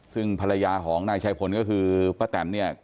ซึ่งภรรยาของนายชายพลก็คือป้าแตนเนี่ย